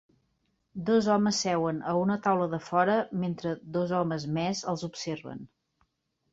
Dos homes seuen a una taula de fora mentre dos homes més els observen.